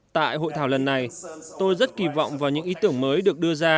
tại hội thảo lần này tôi rất kỳ vọng vào những ý tưởng mới được đưa ra